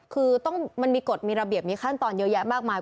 คือต้องมันมีกฎมีระเบียบมีขั้นตอนเยอะแยะมากมาย